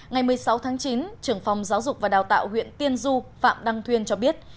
ngày một mươi sáu tháng chín trưởng phòng giáo dục và đào tạo huyện tiên du phạm đăng thuyên cho biết